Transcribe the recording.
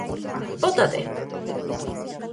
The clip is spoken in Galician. Bótate!